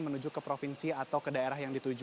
menuju ke provinsi atau ke daerah yang dituju